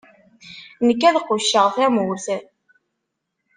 Nekk, ad qucceɣ tamurt.